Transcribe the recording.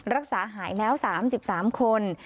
รักษาหายแล้ว๓๓คน